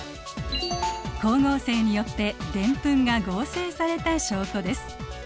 光合成によってデンプンが合成された証拠です。